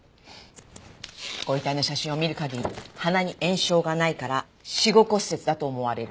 ご遺体の写真を見る限り鼻に炎症がないから死後骨折だと思われる。